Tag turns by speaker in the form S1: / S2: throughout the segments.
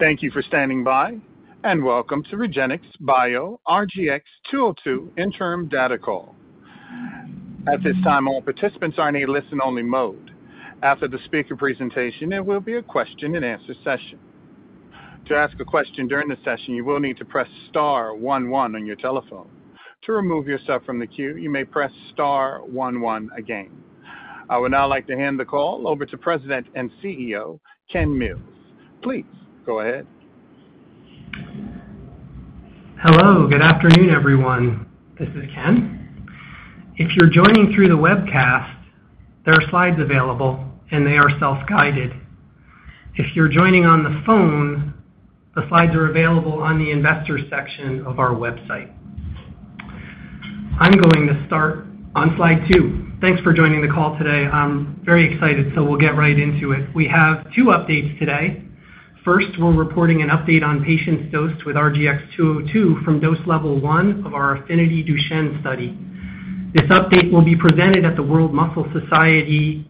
S1: Thank you for standing by, and welcome to REGENXBIO RGX-202 interim data call. At this time, all participants are in a listen-only mode. After the speaker presentation, there will be a question-and-answer session. To ask a question during the session, you will need to press star one one on your telephone. To remove yourself from the queue, you may press star one one again. I would now like to hand the call over to President and CEO, Ken Mills. Please go ahead.
S2: Hello, good afternoon, everyone. This is Ken. If you're joining through the webcast, there are slides available and they are self-guided. If you're joining on the phone, the slides are available on the investor section of our website. I'm going to start on slide two. Thanks for joining the call today. I'm very excited, so we'll get right into it. We have two updates today. First, we're reporting an update on patients dosed with RGX-202 from dose level of our AFFINITY DUCHENNE study. This update will be presented at the World Muscle Society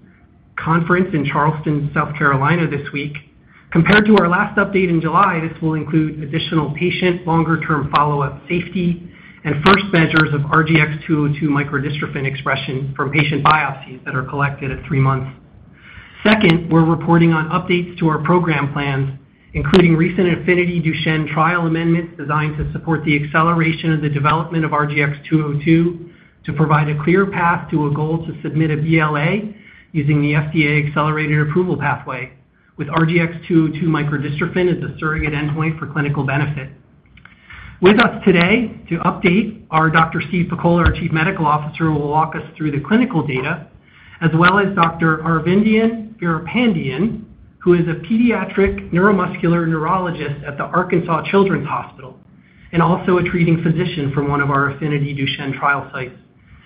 S2: conference in Charleston, South Carolina, this week. Compared to our last update in July, this will include additional patient, longer-term follow-up, safety, and first measures of RGX-202 microdystrophin expression from patient biopsies that are collected at three months. Second, we're reporting on updates to our program plans, including recent AFFINITY DUCHENNE trial amendments designed to support the acceleration of the development of RGX-202, to provide a clear path to a goal to submit a BLA using the FDA Accelerated Approval Pathway, with RGX-202 microdystrophin as a surrogate endpoint for clinical benefit. With us today to update are Dr. Steve Pakola, our Chief Medical Officer, who will walk us through the clinical data, as well as Dr. Aravindhan Veerapandiyan, who is a pediatric neuromuscular neurologist at the Arkansas Children's Hospital and also a treating physician from one of our AFFINITY DUCHENNE trial sites.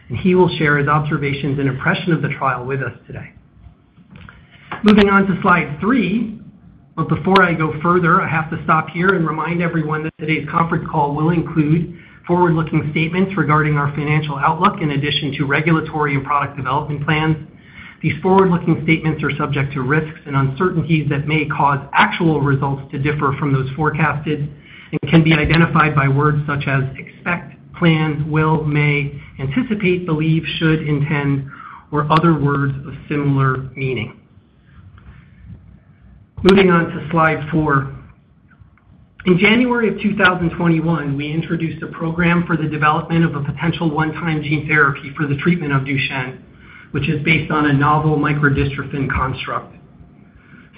S2: And he will share his observations and impression of the trial with us today. Moving on to slide three. But before I go further, I have to stop here and remind everyone that today's conference call will include forward-looking statements regarding our financial outlook, in addition to regulatory and product development plans. These forward-looking statements are subject to risks and uncertainties that may cause actual results to differ from those forecasted and can be identified by words such as expect, plan, will, may, anticipate, believe, should, intend, or other words of similar meaning. Moving on to slide four. In January of 2021, we introduced a program for the development of a potential one-time gene therapy for the treatment of Duchenne, which is based on a novel microdystrophin construct.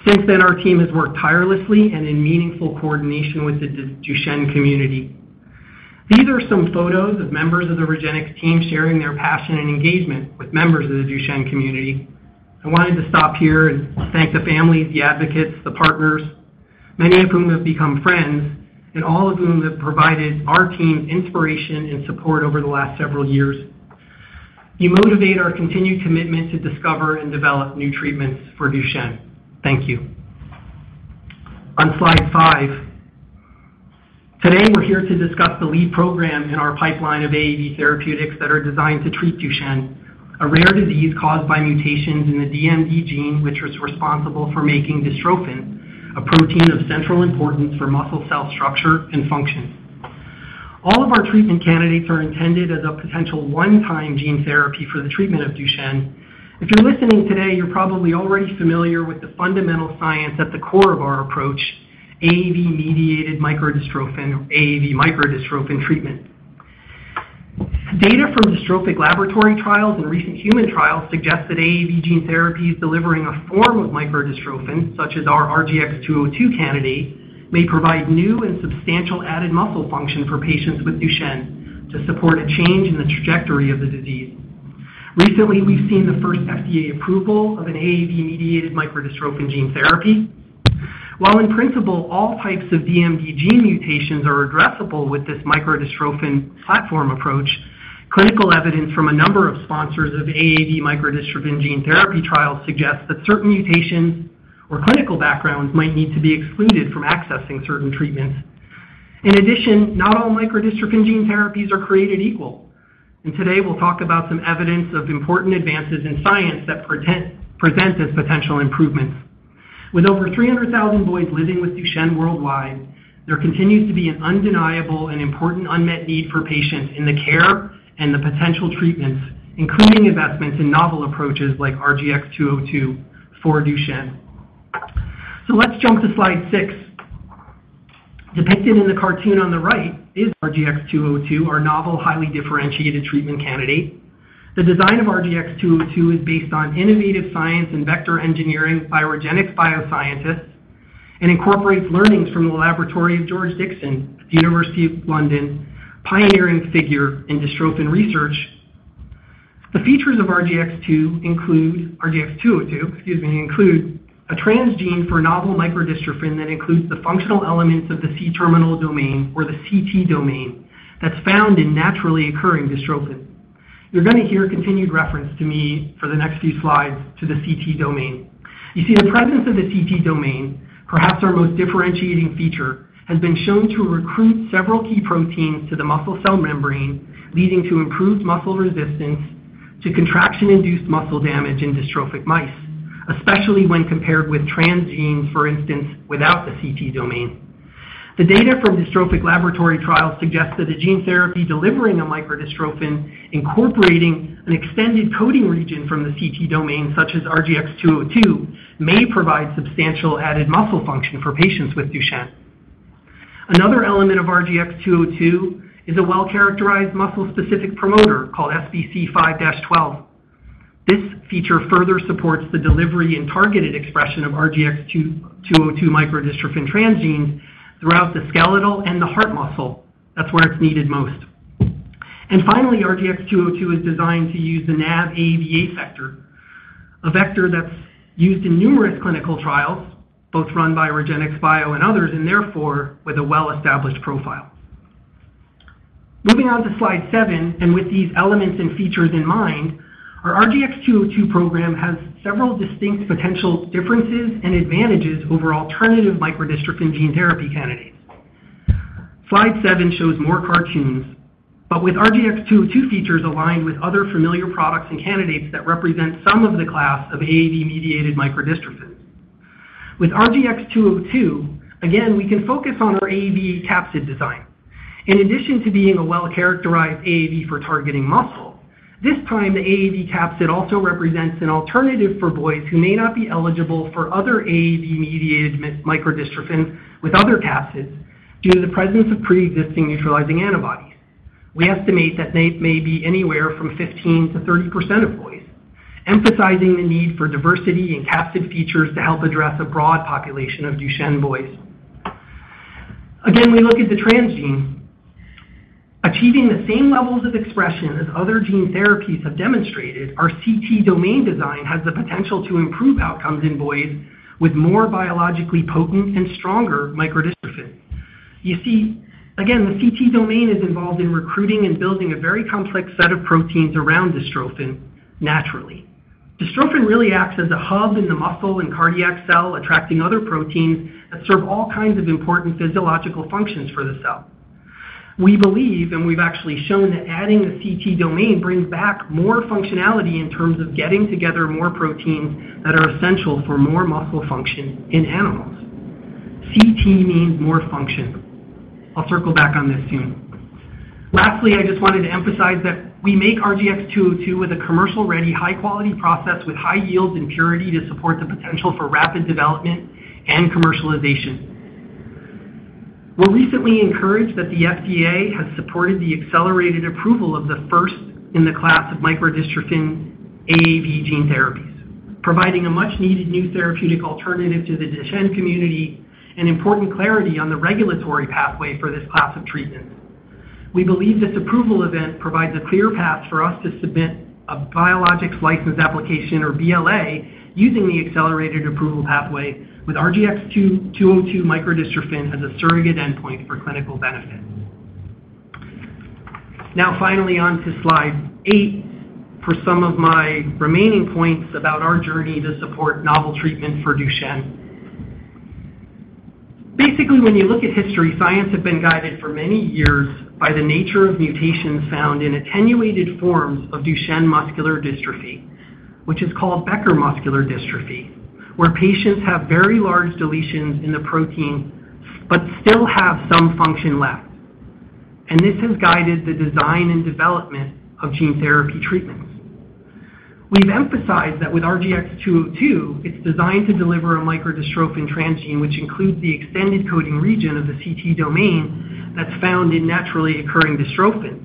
S2: Since then, our team has worked tirelessly and in meaningful coordination with the Duchenne community. These are some photos of members of the REGENXBIO team sharing their passion and engagement with members of the Duchenne community. I wanted to stop here and thank the families, the advocates, the partners, many of whom have become friends, and all of whom have provided our team inspiration and support over the last several years. You motivate our continued commitment to discover and develop new treatments for Duchenne. Thank you. On slide five, today, we're here to discuss the lead program in our pipeline of AAV therapeutics that are designed to treat Duchenne, a rare disease caused by mutations in the DMD gene, which is responsible for making dystrophin, a protein of central importance for muscle cell structure and function. All of our treatment candidates are intended as a potential one-time gene therapy for the treatment of Duchenne. If you're listening today, you're probably already familiar with the fundamental science at the core of our approach, AAV-mediated microdystrophin or AAV microdystrophin treatment. Data from dystrophic laboratory trials and recent human trials suggest that AAV gene therapies delivering a form of microdystrophin, such as our RGX-202 candidate, may provide new and substantial added muscle function for patients with Duchenne to support a change in the trajectory of the disease. Recently, we've seen the first FDA approval of an AAV-mediated microdystrophin gene therapy. While in principle, all types of DMD gene mutations are addressable with this microdystrophin platform approach, clinical evidence from a number of sponsors of AAV microdystrophin gene therapy trials suggest that certain mutations or clinical backgrounds might need to be excluded from accessing certain treatments. In addition, not all microdystrophin gene therapies are created equal. Today we'll talk about some evidence of important advances in science that present as potential improvements. With over 300,000 boys living with Duchenne worldwide, there continues to be an undeniable and important unmet need for patients in the care and the potential treatments, including investments in novel approaches like RGX-202 for Duchenne. So let's jump to slide six. Depicted in the cartoon on the right is RGX-202, our novel, highly differentiated treatment candidate. The design of RGX-202 is based on innovative science and vector engineering by REGENXBIO scientists, and incorporates learnings from the laboratory of George Dickson, the University of London, pioneering figure in dystrophin research. The features of RGX-202, excuse me, include a transgene for a novel microdystrophin that includes the functional elements of the C-terminal domain or the CT domain, that's found in naturally occurring dystrophin. You're going to hear continued reference to me for the next few slides to the CT domain. You see, the presence of the CT domain, perhaps our most differentiating feature, has been shown to recruit several key proteins to the muscle cell membrane, leading to improved muscle resistance to contraction-induced muscle damage in dystrophic mice, especially when compared with transgenes, for instance, without the CT domain. The data from dystrophic laboratory trials suggests that a gene therapy delivering a microdystrophin, incorporating an extended coding region from the CT domain, such as RGX-202, may provide substantial added muscle function for patients with Duchenne. Another element of RGX-202 is a well-characterized muscle-specific promoter called Spc5-12. This feature further supports the delivery and targeted expression of RGX-202 microdystrophin transgenes throughout the skeletal and the heart muscle. That's where it's needed most. Finally, RGX-202 is designed to use the NAV AAV vector, a vector that's used in numerous clinical trials, both run by REGENXBIO and others, and therefore, with a well-established profile. Moving on to slide seven, and with these elements and features in mind, our RGX-202 program has several distinct potential differences and advantages over alternative microdystrophin gene therapy candidates. Slide seven shows more cartoons, but with RGX-202 features aligned with other familiar products and candidates that represent some of the class of AAV-mediated microdystrophin. With RGX-202, again, we can focus on our AAV capsid design. In addition to being a well-characterized AAV for targeting muscle, this time, the AAV capsid also represents an alternative for boys who may not be eligible for other AAV-mediated microdystrophin with other capsids due to the presence of preexisting neutralizing antibodies. We estimate that they may be anywhere from 15%-30% of boys, emphasizing the need for diversity in capsid features to help address a broad population of Duchenne boys. Again, we look at the transgene. Achieving the same levels of expression as other gene therapies have demonstrated, our CT domain design has the potential to improve outcomes in boys with more biologically potent and stronger microdystrophin. You see, again, the CT domain is involved in recruiting and building a very complex set of proteins around dystrophin naturally. Dystrophin really acts as a hub in the muscle and cardiac cell, attracting other proteins that serve all kinds of important physiological functions for the cell. We believe, and we've actually shown, that adding the CT domain brings back more functionality in terms of getting together more proteins that are essential for more muscle function in animals. CT means more function. I'll circle back on this soon. Lastly, I just wanted to emphasize that we make RGX-202 with a commercial-ready, high-quality process with high yield and purity to support the potential for rapid development and commercialization. We're recently encouraged that the FDA has supported the accelerated approval of the first in the class of microdystrophin AAV gene therapies, providing a much-needed new therapeutic alternative to the Duchenne community and important clarity on the regulatory pathway for this class of treatments. We believe this approval event provides a clear path for us to submit a Biologics License Application or BLA, using the accelerated approval pathway with RGX-202 microdystrophin as a surrogate endpoint for clinical benefit. Now, finally, on to slide eight for some of my remaining points about our journey to support novel treatment for Duchenne. Basically, when you look at history, science has been guided for many years by the nature of mutations found in attenuated forms of Duchenne muscular dystrophy, which is called Becker muscular dystrophy, where patients have very large deletions in the protein, but still have some function left, and this has guided the design and development of gene therapy treatments. We've emphasized that with RGX-202, it's designed to deliver a microdystrophin transgene, which includes the extended coding region of the CT domain that's found in naturally occurring dystrophin.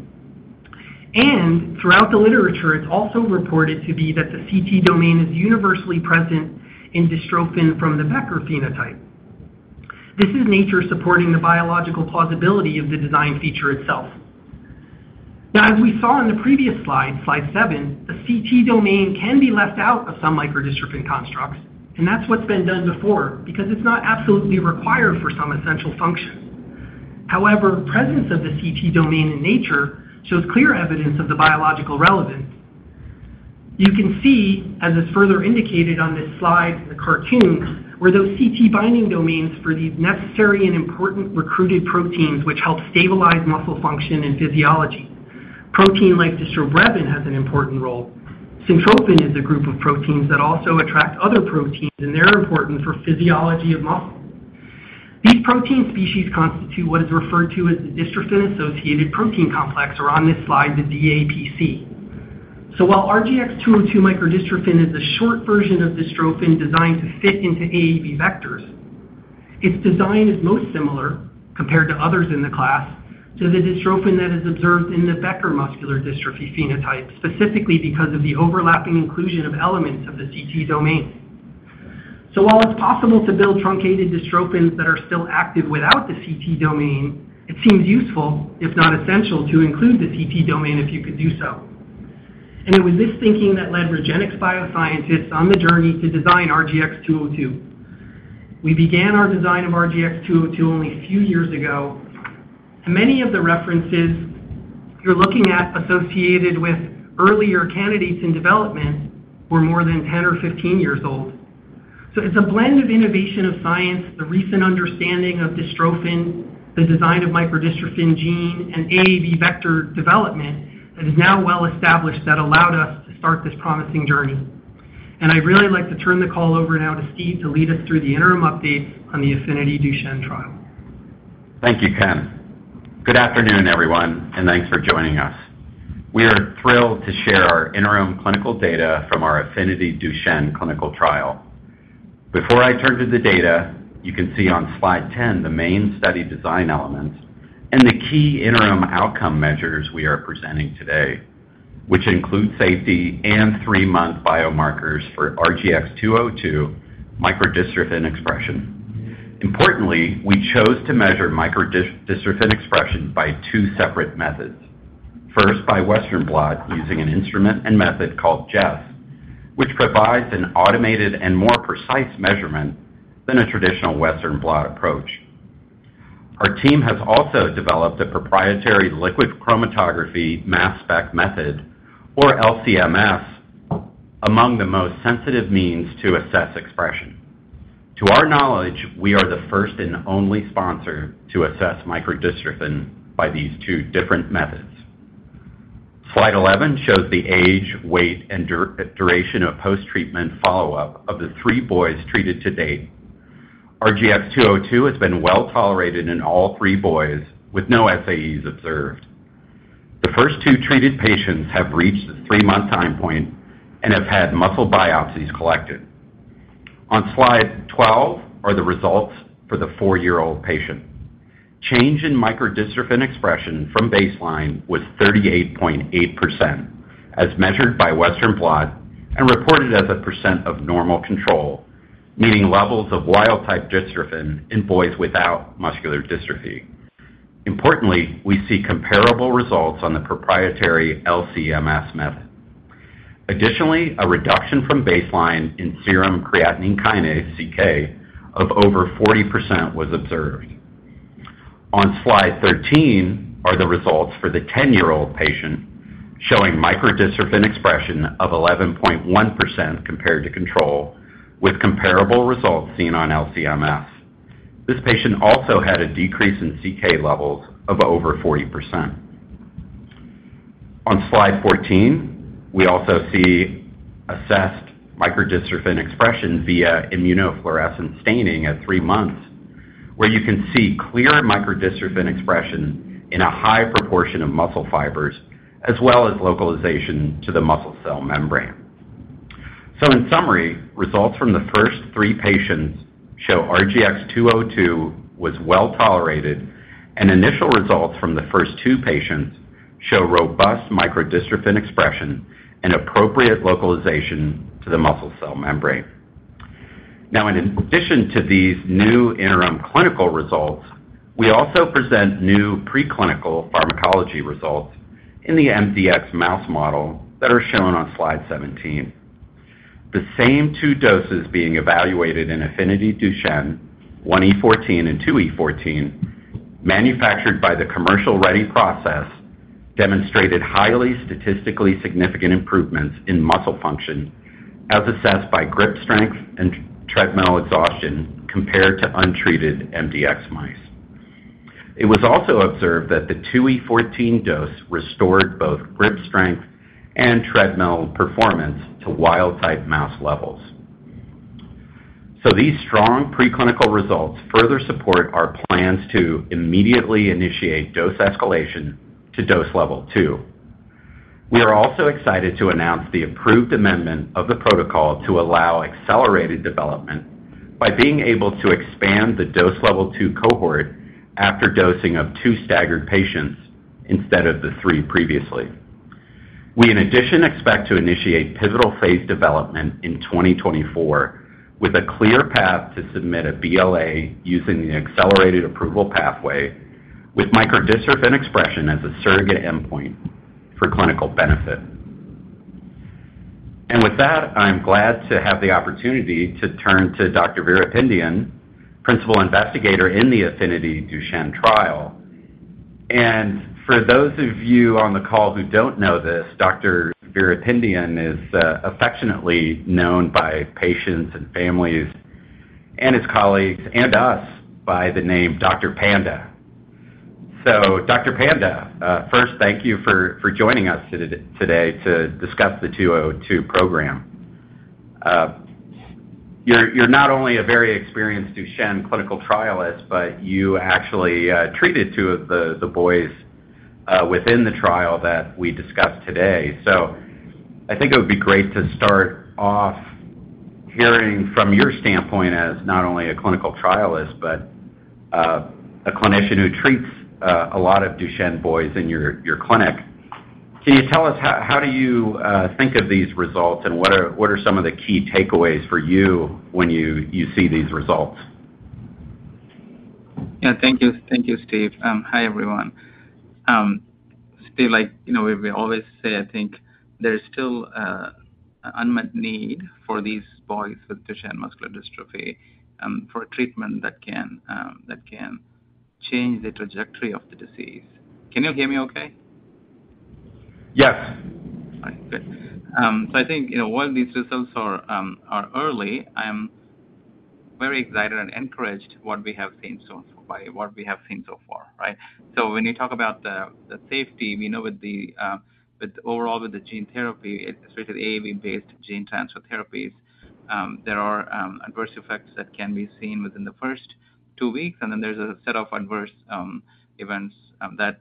S2: Throughout the literature, it's also reported to be that the CT domain is universally present in dystrophin from the Becker phenotype. This is nature supporting the biological plausibility of the design feature itself. Now, as we saw in the prevous slide, Slide seven, a CT domain can be left out of some microdystrophin constructs, and that's what's been done before, because it's not absolutely required for some essential function. However, presence of the CT domain in nature shows clear evidence of the biological relevance. You can see, as is further indicated on this slide in the cartoon, where those CT binding domains for these necessary and important recruited proteins, which help stabilize muscle function and physiology. Protein like dystrobrevin, has an important role. Syntrophin is a group of proteins that also attract other proteins, and they're important for physiology of muscle. These protein species constitute what is referred to as the dystrophin-associated protein complex, or on this slide, the DAPC. So while RGX-202 microdystrophin is a short version of dystrophin designed to fit into AAV vectors, its design is most similar, compared to others in the class, to the dystrophin that is observed in the Becker Muscular Dystrophy phenotype, specifically because of the overlapping inclusion of elements of the CT domain. So while it's possible to build truncated dystrophins that are still active without the CT domain, it seems useful, if not essential, to include the CT domain if you could do so. It was this thinking that led REGENXBIO scientists on the journey to design RGX-202. We began our design of RGX-202 only a few years ago. Many of the references you're looking at associated with earlier candidates in development were more than 10 or 15 years old.... So it's a blend of innovation of science, the recent understanding of dystrophin, the design of microdystrophin gene, and AAV vector development that is now well established that allowed us to start this promising journey. I'd really like to turn the call over now to Steve to lead us through the interim update on the AFFINITY DUCHENNE trial.
S3: Thank you, Ken. Good afternoon, everyone, and thanks for joining us. We are thrilled to share our interim clinical data from our AFFINITY DUCHENNE clinical trial. Before I turn to the data, you can see on slide 10 the main study design elements and the key interim outcome measures we are presenting today, which include safety and 3-month biomarkers for RGX-202 microdystrophin expression. Importantly, we chose to measure microdystrophin expression by two separate methods. First, by Western blot, using an instrument and method called Jess, which provides an automated and more precise measurement than a traditional Western blot approach. Our team has also developed a proprietary liquid chromatography-mass spec method, or LC-MS, among the most sensitive means to assess expression. To our knowledge, we are the first and only sponsor to assess microdystrophin by these two different methods. Slide 11 shows the age, weight, and duration of post-treatment follow-up of the three boys treated to date. RGX-202 has been well tolerated in all three boys, with no SAEs observed. The first two treated patients have reached the three-month time point and have had muscle biopsies collected. On slide 12 are the results for the four-year-old patient. Change in microdystrophin expression from baseline was 38.8%, as measured by Western blot and reported as a % of normal control, meaning levels of wild type dystrophin in boys without muscular dystrophy. Importantly, we see comparable results on the proprietary LC-MS method. Additionally, a reduction from baseline in serum creatine kinase, CK, of over 40% was observed. On slide 13 are the results for the 10-year-old patient, showing microdystrophin expression of 11.1% compared to control, with comparable results seen on LC-MS. This patient also had a decrease in CK levels of over 40%. On slide 14, we also see assessed microdystrophin expression via immunofluorescence staining at 3 months, where you can see clear microdystrophin expression in a high proportion of muscle fibers, as well as localization to the muscle cell membrane. So in summary, results from the first three patients show RGX-202 was well tolerated, and initial results from the first two patients show robust microdystrophin expression and appropriate localization to the muscle cell membrane. Now, in addition to these new interim clinical results, we also present new preclinical pharmacology results in the mdx mouse model that are shown on slide 17. The same two doses being evaluated in AFFINITY DUCHENNE, 1E14 and 2E14, manufactured by the commercial-ready process, demonstrated highly statistically significant improvements in muscle function, as assessed by grip strength and treadmill exhaustion compared to untreated mdx mice. It was also observed that the 2E14 dose restored both grip strength and treadmill performance to wild-type mouse levels. These strong preclinical results further support our plans to immediately initiate dose escalation to dose level two. We are also excited to announce the approved amendment of the protocol to allow accelerated development by being able to expand the dose level two cohort after dosing of two staggered patients instead of the three previously. We, in addition, expect to initiate pivotal phase development in 2024, with a clear path to submit a BLA using the accelerated approval pathway with microdystrophin expression as a surrogate endpoint for clinical benefit. And with that, I'm glad to have the opportunity to turn to Dr. Veerapandiyan, principal investigator in the AFFINITY DUCHENNE trial. For those of you on the call who don't know this, Dr. Veerapandiyan is affectionately known by patients and families, and his colleagues, and us by the name Dr. Panda. So Dr. Panda, first, thank you for joining us today to discuss the 202 program. You're not only a very experienced Duchenne clinical trialist, but you actually treated two of the boys within the trial that we discussed today. So I think it would be great to start off hearing from your standpoint as not only a clinical trialist, but a clinician who treats a lot of Duchenne boys in your clinic. Can you tell us how do you think of these results, and what are some of the key takeaways for you when you see these results?
S4: Yeah. Thank you. Thank you, Steve. Hi, everyone. Steve, like, you know, we always say, I think there is still an unmet need for these boys with Duchenne muscular dystrophy for a treatment that can change the trajectory of the disease. Can you hear me okay?...
S3: Yes.
S4: So I think, you know, while these results are early, I am very excited and encouraged what we have seen so far, what we have seen so far, right? So when you talk about the safety, we know with the gene therapy overall, especially the AAV-based gene transfer therapies, there are adverse effects that can be seen within the first two weeks, and then there's a set of adverse events that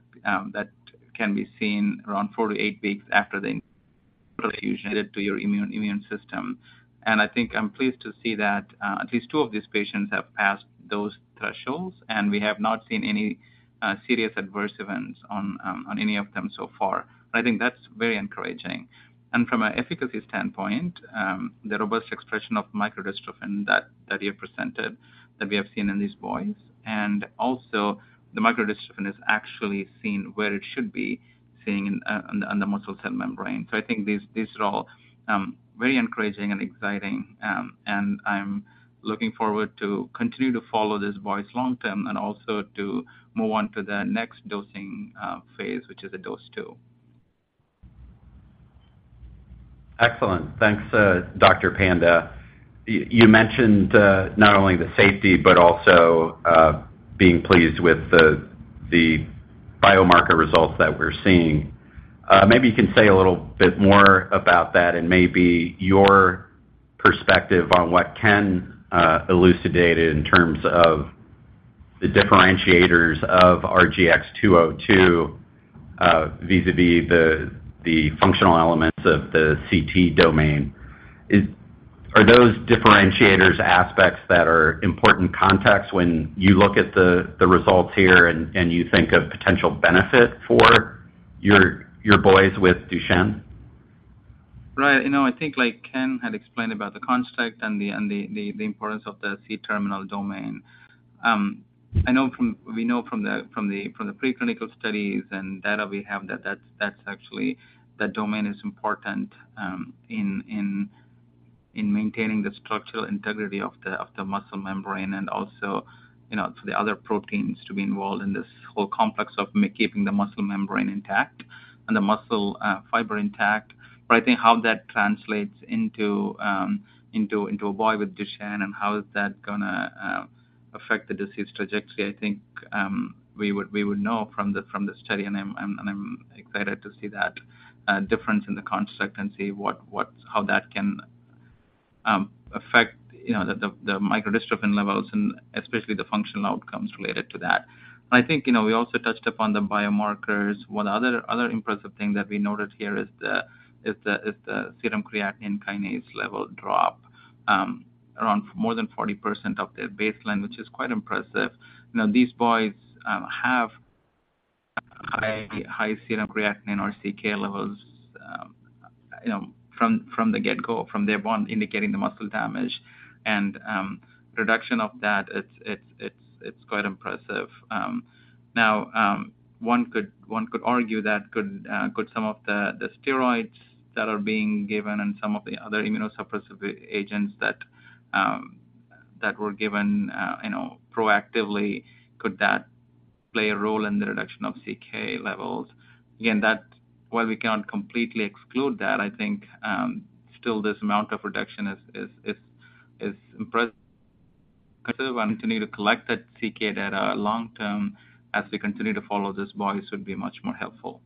S4: can be seen around four to eight weeks after the infusion to your immune system. And I think I'm pleased to see that at least two of these patients have passed those thresholds, and we have not seen any serious adverse events on any of them so far. I think that's very encouraging. From an efficacy standpoint, the robust expression of microdystrophin that you have presented, that we have seen in these boys, and also the microdystrophin is actually seen where it should be, seen in on the muscle cell membrane. So I think these are all very encouraging and exciting, and I'm looking forward to continue to follow these boys long term and also to move on to the next dosing phase, which is a dose 2.
S3: Excellent. Thanks, Dr. Panda. You, you mentioned not only the safety but also being pleased with the biomarker results that we're seeing. Maybe you can say a little bit more about that and maybe your perspective on what Ken elucidated in terms of the differentiators of RGX-202 vis-a-vis the functional elements of the CT domain. Are those differentiators aspects that are important context when you look at the results here and you think of potential benefit for your boys with Duchenne?
S4: Right. You know, I think like Ken had explained about the construct and the importance of the C-Terminal domain. We know from the preclinical studies and data we have, that that's actually that domain is important in maintaining the structural integrity of the muscle membrane and also, you know, to the other proteins to be involved in this whole complex of keeping the muscle membrane intact and the muscle fiber intact. But I think how that translates into a boy with Duchenne and how is that gonna affect the disease trajectory, I think we would know from the study, and I'm excited to see that difference in the construct and see what how that can affect, you know, the microdystrophin levels and especially the functional outcomes related to that. I think, you know, we also touched upon the biomarkers. One other impressive thing that we noted here is the serum creatine kinase level drop around more than 40% of the baseline, which is quite impressive. Now, these boys have high serum creatine or CK levels, you know, from the get-go, from day one, indicating the muscle damage. Reduction of that, it is quite impressive. Now, one could argue that could some of the steroids that are being given and some of the other immunosuppressive agents that were given, you know, proactively, could that play a role in the reduction of CK levels? Again, that's why we can't completely exclude that. I think, still this amount of reduction is impressive, and continue to collect that CK data long term as we continue to follow these boys would be much more helpful.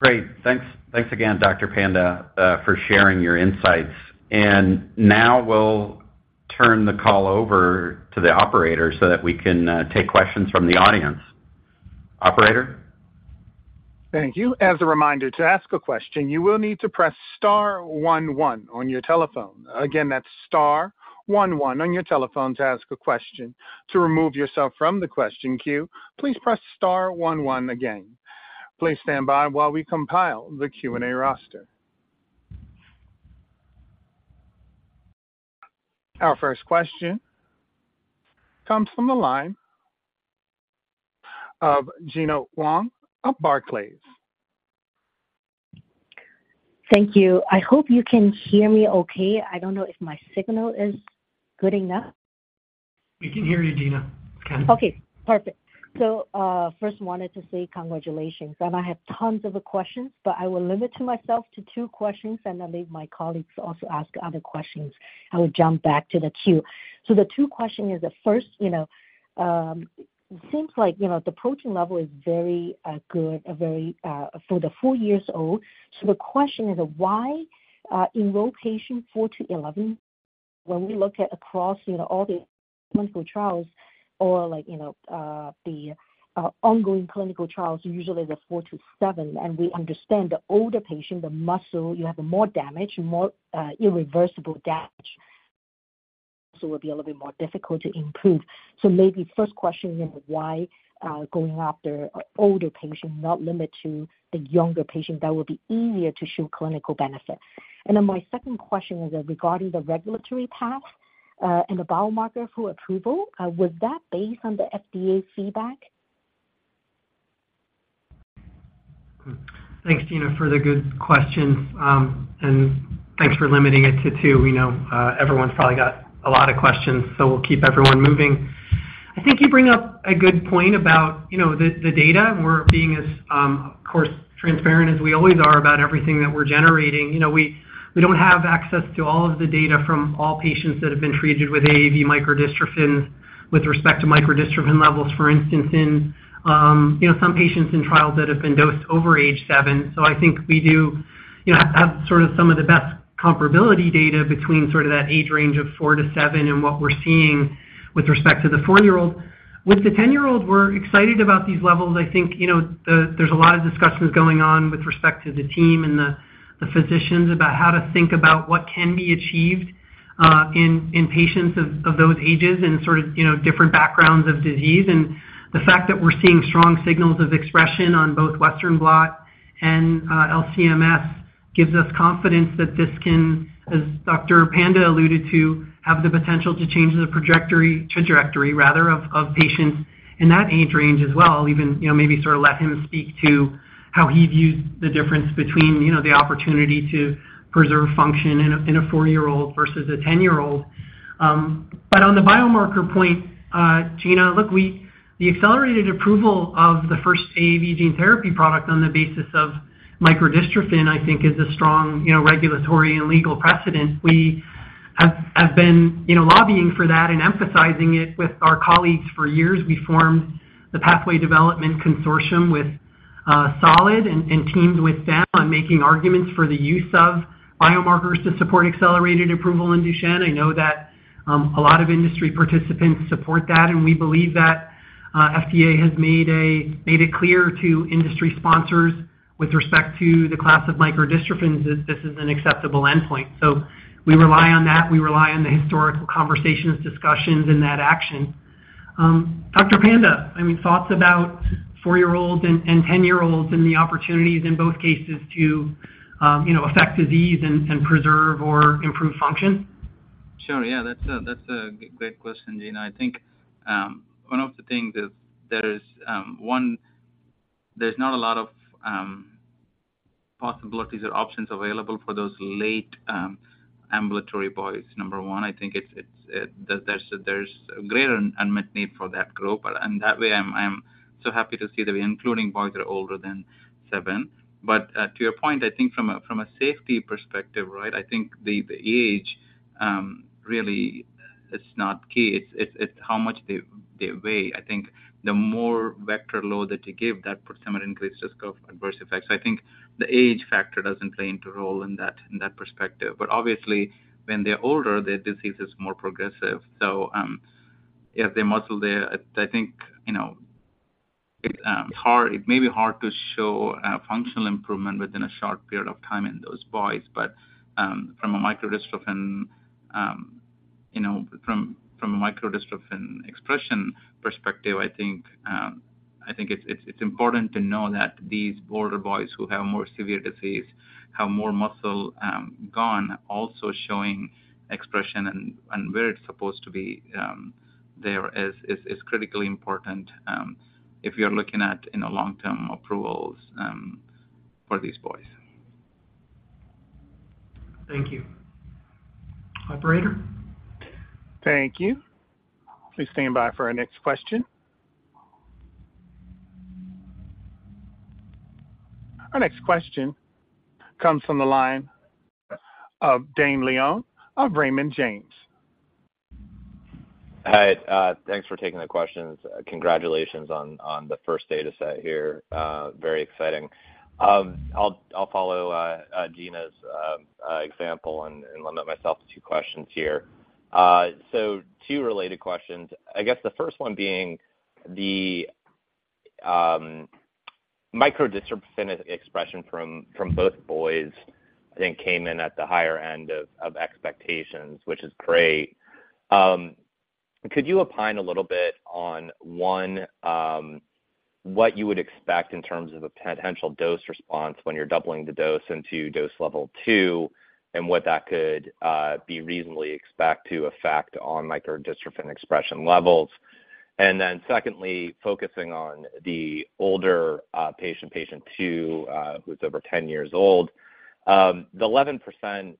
S3: Great. Thanks. Thanks again, Dr. Panda, for sharing your insights. And now we'll turn the call over to the operator so that we can take questions from the audience. Operator?
S1: Thank you. As a reminder, to ask a question, you will need to press star one one on your telephone. Again, that's star one one on your telephone to ask a question. To remove yourself from the question queue, please press star one one again. Please stand by while we compile the Q&A roster. Our first question comes from the line of Gena Wang of Barclays.
S5: Thank you. I hope you can hear me okay. I don't know if my signal is good enough.
S3: We can hear you, Gena. Okay.
S5: Okay, perfect. So, first wanted to say congratulations, and I have tons of questions, but I will limit myself to two questions and then leave my colleagues to also ask other questions. I will jump back to the queue. So the two question is: the first, you know, seems like, you know, the protein level is very good, a very for the four-years-old. So the question is whyrotatirorotat 4-11, when we look at across, you know, all the clinical trials or like, you know, the ongoing clinical trials, usually the 4-7, and we understand the older patient, the muscle, you have more damage, more irreversible damage, so will be a little bit more difficult to improve. So maybe first question, you know, why going after older patient, not limit to the younger patient, that would be easier to show clinical benefit? And then my second question was regarding the regulatory path, and the biomarker for approval. Was that based on the FDA feedback?...
S2: Thanks, Gena, for the good questions. And thanks for limiting it to two. We know everyone's probably got a lot of questions, so we'll keep everyone moving. I think you bring up a good point about, you know, the, the data. We're being as, of course, transparent as we always are about everything that we're generating. You know, we, we don't have access to all of the data from all patients that have been treated with AAV microdystrophin with respect to microdystrophin levels, for instance, in, you know, some patients in trials that have been dosed over age seven. So I think we do, you know, have, have sort of some of the best comparability data between sort of that age range of 4-7 and what we're seeing with respect to the four-year-old. With the 10-year-old, we're excited about these levels. I think, you know, the, there's a lot of discussions going on with respect to the team and the, the physicians about how to think about what can be achieved, in patients of, of those ages and sort of, you know, different backgrounds of disease. And the fact that we're seeing strong signals of expression on both Western Blot and, LC-MS, gives us confidence that this can, as Dr. Panda alluded to, have the potential to change the projectory, trajectory rather, of, of patients in that age range as well. Even, you know, maybe sort of let him speak to how he views the difference between, you know, the opportunity to preserve function in a, in a four-year-old versus a 10-year-old. But on the biomarker point, Gena, look, we, the accelerated approval of the first AAV gene therapy product on the basis of microdystrophin, I think, is a strong, you know, regulatory and legal precedent. We have been, you know, lobbying for that and emphasizing it with our colleagues for years. We formed the Pathway Development Consortium with Solid Biosciences and teamed with them on making arguments for the use of biomarkers to support accelerated approval in Duchenne. I know that a lot of industry participants support that, and we believe that FDA has made it clear to industry sponsors with respect to the class of microdystrophins, that this is an acceptable endpoint. So we rely on that. We rely on the historical conversations, discussions, and that action. Dr. Panda, any thoughts about four-year-olds and 10-year-olds and the opportunities in both cases to, you know, affect disease and preserve or improve function?
S4: Sure. Yeah, that's a, that's a great question, Gena. I think, one of the things is there is, one, there's not a lot of, possibilities or options available for those late, ambulatory boys. Number one, I think it's, it's, there's, there's a greater unmet need for that group. And that way, I'm, I'm so happy to see that we're including boys that are older than seven. But, to your point, I think from a, from a safety perspective, right? I think the, the age, really is not key. It's, it's, it's how much they, they weigh. I think the more vector load that you give, that potentially increases risk of adverse effects. So I think the age factor doesn't play into role in that, in that perspective. But obviously, when they're older, their disease is more progressive. So, if their muscle there, I think, you know, it may be hard to show a functional improvement within a short period of time in those boys. But, from a microdystrophin expression perspective, I think it's important to know that these older boys who have more severe disease, have more muscle gone, also showing expression and where it's supposed to be is critically important, if you're looking at, you know, long-term approvals, for these boys.
S2: Thank you. Operator?
S1: Thank you. Please stand by for our next question. Our next question comes from the line of Dane Leone of Raymond James.
S6: Hi, thanks for taking the questions. Congratulations on the first data set here. Very exciting. I'll follow Gena's example and limit myself to two questions here. So two related questions. I guess the first one being the microdystrophin expression from both boys, I think, came in at the higher end of expectations, which is great. Could you opine a little bit on one, what you would expect in terms of a potential dose response when you're doubling the dose into dose level two, and what that could be reasonably expect to affect on microdystrophin expression levels? And then secondly, focusing on the older patient, patient two, who's over ten years old. The 11%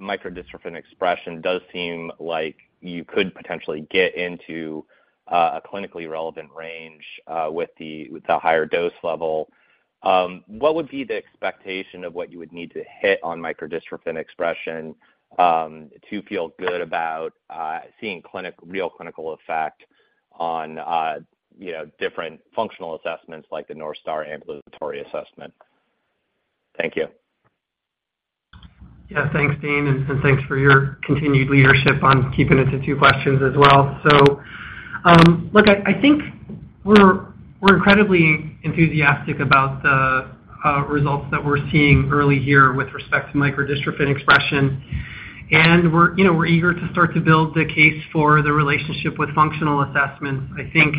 S6: microdystrophin expression does seem like you could potentially get into a clinically relevant range with the higher dose level. What would be the expectation of what you would need to hit on microdystrophin expression to feel good about seeing real clinical effect on, you know, different functional assessments like the North Star Ambulatory Assessment? Thank you.
S2: Yeah, thanks, Dane, and thanks for your continued leadership on keeping it to two questions as well. So, look, I think we're incredibly enthusiastic about the results that we're seeing early here with respect to microdystrophin expression. And we're, you know, eager to start to build the case for the relationship with functional assessments. I think,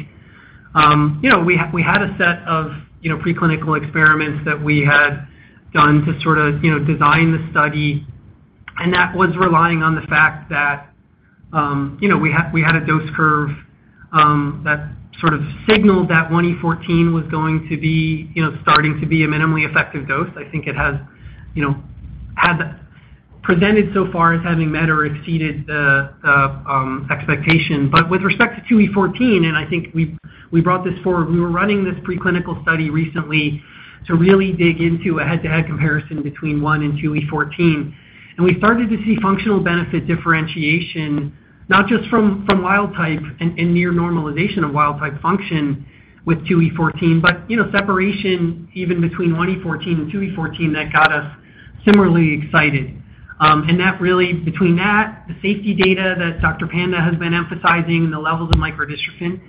S2: you know, we had a set of, you know, preclinical experiments that we had done to sort of, you know, design the study. And that was relying on the fact that, you know, we had a dose curve that sort of signaled that 1E14 was going to be, you know, starting to be a minimally effective dose. I think it has, you know, presented so far as having met or exceeded the expectation. But with respect to 2E14, and I think we've brought this forward, we were running this preclinical study recently to really dig into a head-to-head comparison between 1E14 and 2E14. And we started to see functional benefit differentiation, not just from wild type and near normalization of wild type function with 2E14, but, you know, separation even between 1E14 and 2E14, that got us similarly excited. And that really, between that, the safety data that Dr. Panda has been emphasizing, and the levels of microdystrophin, you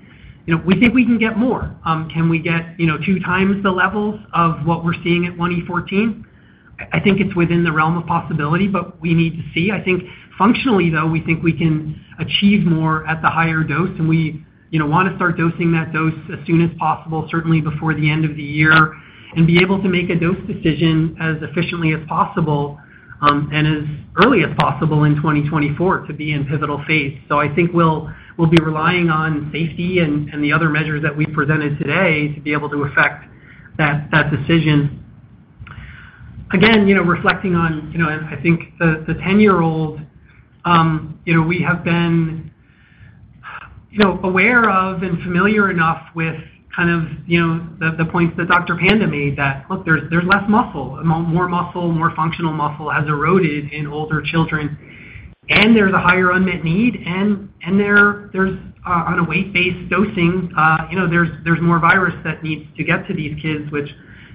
S2: know, we think we can get more. Can we get, you know, two times the levels of what we're seeing at 1E14? I think it's within the realm of possibility, but we need to see. I think functionally, though, we think we can achieve more at the higher dose, and we, you know, want to start dosing that dose as soon as possible, certainly before the end of the year, and be able to make a dose decision as efficiently as possible, and as early as possible in 2024 to be in pivotal phase. So I think we'll be relying on safety and the other measures that we presented today to be able to affect that decision. Again, you know, reflecting on, you know, I think the 10-year-old, you know, we have been, you know, aware of and familiar enough with kind of, you know, the points that Dr. Panda made, that, look, there's less muscle. More muscle, more functional muscle has eroded in older children, and there's a higher unmet need, and there's on a weight-based dosing, you know, there's more virus that needs to get to these kids, which,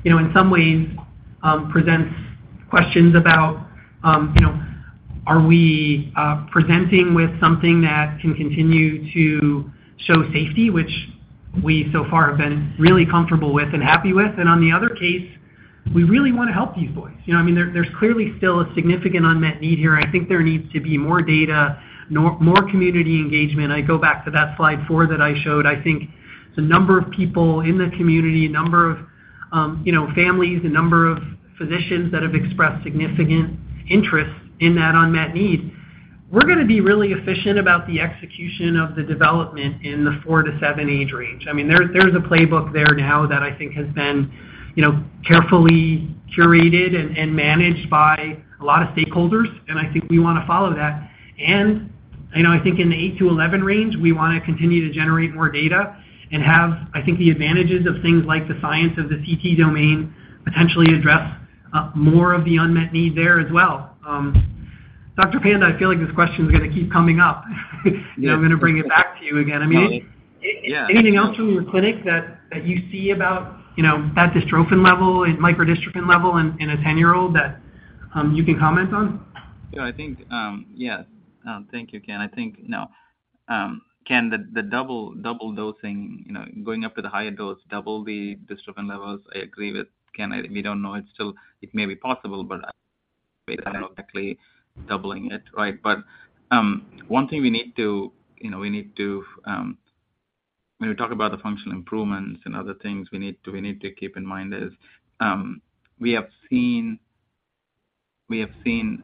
S2: you know, in some ways, presents questions about, you know, are we presenting with something that can continue to show safety, which we so far have been really comfortable with and happy with? And on the other case, we really wanna help these boys. You know, I mean, there's clearly still a significant unmet need here. I think there needs to be more data, more community engagement. I go back to that slide four that I showed. I think the number of people in the community, number of, you know, families, the number of physicians that have expressed significant interest in that unmet need. We're gonna be really efficient about the execution of the development in the 4-7 age range. I mean, there's a playbook there now that I think has been, you know, carefully curated and managed by a lot of stakeholders, and I think we wanna follow that. You know, I think in the 8-11 range, we wanna continue to generate more data and have, I think, the advantages of things like the science of the CT domain, potentially address more of the unmet need there as well. Dr. Panda, I feel like this question is gonna keep coming up.
S4: Yeah.
S2: I'm gonna bring it back to you again.
S4: Yeah.
S2: I mean, anything else from your clinic that you see about, you know, that dystrophin level and microdystrophin level in a 10-year-old that you can comment on?
S4: Yeah, I think... Yeah, thank you, Ken. I think, you know, can the, the double, double dosing, you know, going up to the higher dose, double the dystrophin levels? I agree with Ken. We don't know. It's still, it may be possible, but doubling it, right? But, one thing we need to, you know, we need to, when we talk about the functional improvements and other things, we need to, we need to keep in mind is, we have seen, we have seen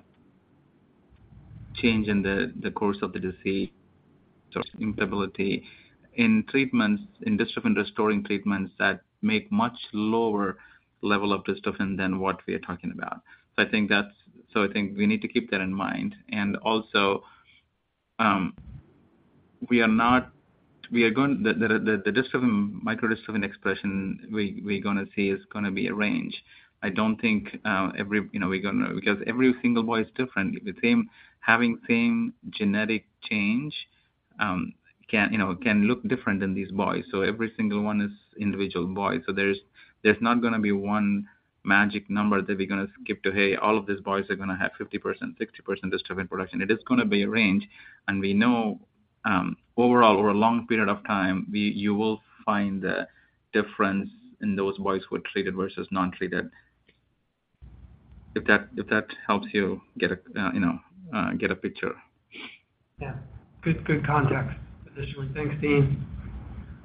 S4: change in the, the course of the disease, instability in treatments, in dystrophin-restoring treatments that make much lower level of dystrophin than what we are talking about. So I think that's. So I think we need to keep that in mind. And also, we are not. We are going... The dystrophin microdystrophin expression we're gonna see is gonna be a range. I don't think every you know we're gonna because every single boy is different. The same having same genetic change can you know can look different in these boys. So every single one is individual boy. So there's not gonna be one magic number that we're gonna skip to, "Hey, all of these boys are gonna have 50%, 60% dystrophin production." It is gonna be a range, and we know overall, over a long period of time, you will find a difference in those boys who are treated versus non-treated. If that helps you get a you know get a picture.
S2: Yeah. Good, good context, additionally. Thanks, team.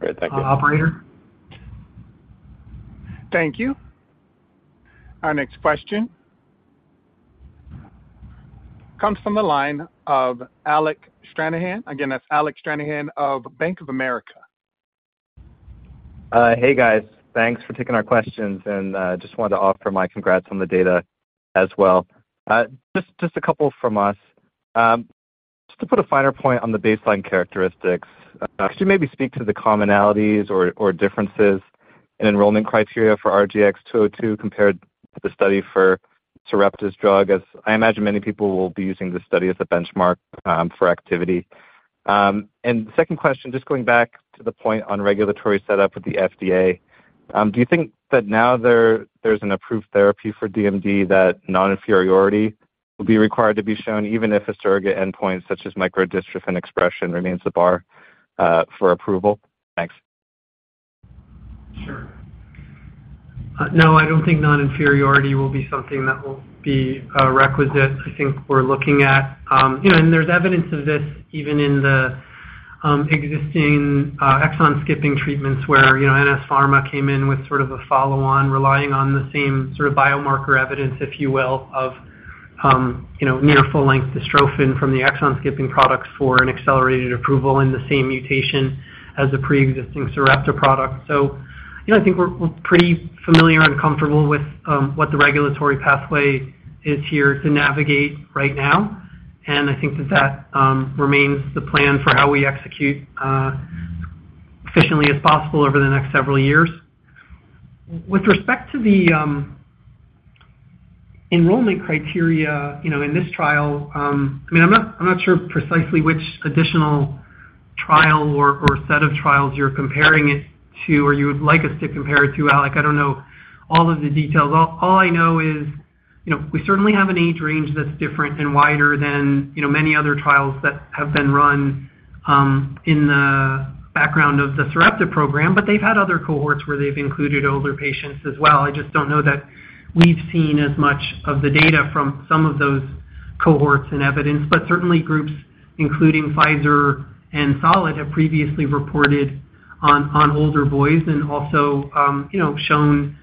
S4: Great. Thank you.
S2: Uh, operator?
S1: Thank you. Our next question comes from the line of Alec Stranahan. Again, that's Alec Stranahan of Bank of America.
S7: Hey, guys. Thanks for taking our questions, and just wanted to offer my congrats on the data as well. Just a couple from us. Just to put a finer point on the baseline characteristics, could you maybe speak to the commonalities or differences in enrollment criteria for RGX-202 compared to the study for Sarepta's drug, as I imagine many people will be using this study as a benchmark for activity. And second question, just going back to the point on regulatory setup with the FDA, do you think that now there's an approved therapy for DMD, that non-inferiority will be required to be shown, even if a surrogate endpoint such as microdystrophin expression remains the bar for approval? Thanks.
S2: Sure. No, I don't think non-inferiority will be something that will be requisite. I think we're looking at. You know, and there's evidence of this even in the existing exon-skipping treatments where, you know, NS Pharma came in with sort of a follow-on, relying on the same sort of biomarker evidence, if you will, of, you know, near full-length dystrophin from the exon-skipping products for an accelerated approval in the same mutation as the preexisting Sarepta product. So, you know, I think we're, we're pretty familiar and comfortable with what the regulatory pathway is here to navigate right now. And I think that that remains the plan for how we execute efficiently as possible over the next several years. With respect to the enrollment criteria, you know, in this trial, I mean, I'm not sure precisely which additional trial or set of trials you're comparing it to, or you would like us to compare it to, Alec. I don't know all of the details. All I know is, you know, we certainly have an age range that's different and wider than, you know, many other trials that have been run in the background of the Sarepta program, but they've had other cohorts where they've included older patients as well. I just don't know that we've seen as much of the data from some of those cohorts and evidence, but certainly groups including Pfizer and Solid have previously reported on older boys and also, you know, shown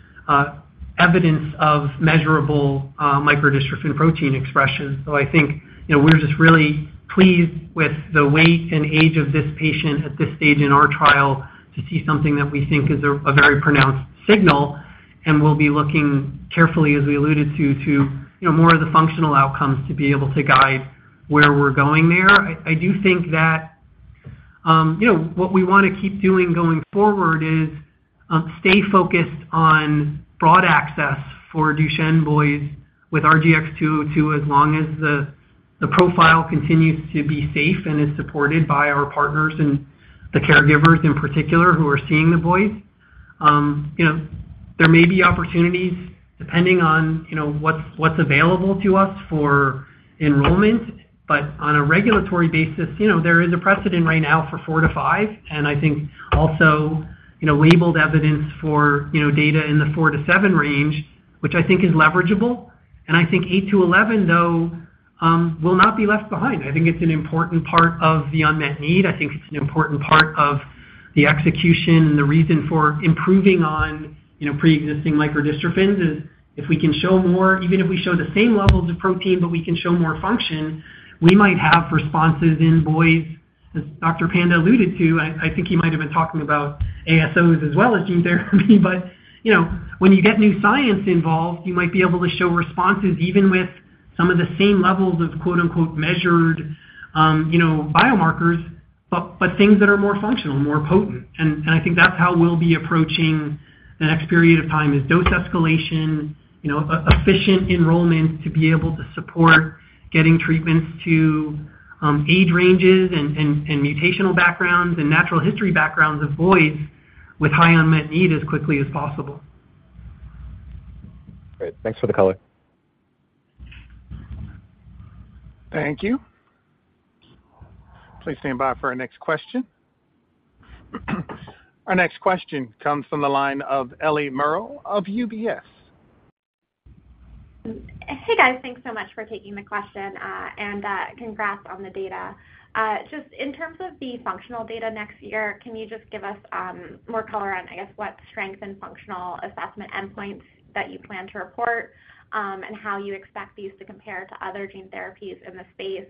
S2: evidence of measurable microdystrophin protein expression. So I think, you know, we're just really pleased with the weight and age of this patient at this stage in our trial to see something that we think is a very pronounced signal, and we'll be looking carefully, as we alluded to, to, you know, more of the functional outcomes to be able to guide where we're going there. I, I do think that, you know, what we wanna keep doing going forward is stay focused on broad access for Duchenne boys with RGX-202, as long as the, the profile continues to be safe and is supported by our partners and the caregivers in particular, who are seeing the boys. You know, there may be opportunities depending on, you know, what's, what's available to us for enrollment. But on a regulatory basis, you know, there is a precedent right now for 4-5, and I think also, you know, labeled evidence for, you know, data in the 4-7 range, which I think is leverageable. And I think 8-11, though, will not be left behind. I think it's an important part of the unmet need. I think it's an important part of the execution and the reason for improving on, you know, preexisting microdystrophins is, if we can show more, even if we show the same levels of protein, but we can show more function, we might have responses in boys. As Dr. Panda alluded to, I, I think he might have been talking about ASOs as well as gene therapy. But, you know, when you get new science involved, you might be able to show responses even with some of the same levels of, quote, unquote, "measured," you know, biomarkers, but, but things that are more functional, more potent. And, and I think that's how we'll be approaching the next period of time is dose escalation, you know, efficient enrollment to be able to support getting treatments to, age ranges and, and, and mutational backgrounds and natural history backgrounds of boys with high unmet need as quickly as possible.
S3: Great. Thanks for the color.
S1: Thank you. Please stand by for our next question. Our next question comes from the line of Ellie Merrell of UBS.
S8: Hey, guys. Thanks so much for taking the question, and congrats on the data. Just in terms of the functional data next year, can you just give us more color on, I guess, what strength and functional assessment endpoints that you plan to report, and how you expect these to compare to other gene therapies in the space?